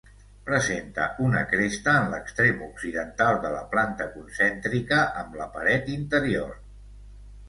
Presenta una cresta en l'extrem occidental de la planta concèntrica amb la paret interior.